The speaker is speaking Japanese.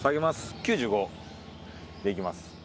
９５でいきます。